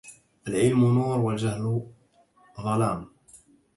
العلم نور والجهل ظلام.